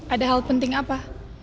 ada hal penting apa